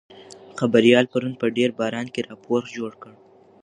خبریال پرون په ډېر باران کې راپور جوړ کړ.